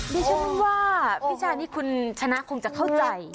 ดิฉันว่าพี่ชานี่คุณชนะคงจะเข้าใจ